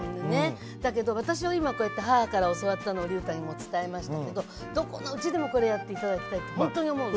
だけど私は今こうやって母から教わったのをりゅうたにも伝えましたけどどこのうちでもこれやって頂きたいってほんとに思うの。